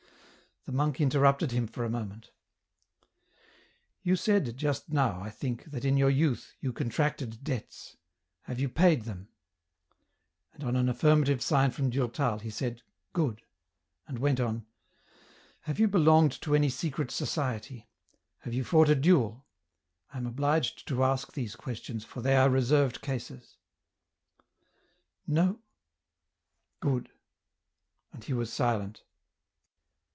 The monk interrupted him for a moment " You said just now, I think, that in your youth you contracted debts ; have you paid them ?" ipt EN ROUTE. And on an affirmative sign from Durtal, he said, " Good." and went on, "Have you belonged to any secret society? have you fought a duel ?— I am obliged to ask these questions for they are reser\'ed cases." " No ?— Good "— and he was silent.